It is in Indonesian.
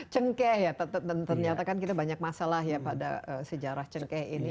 cengkeh ya dan ternyata kan kita banyak masalah ya pada sejarah cengkeh ini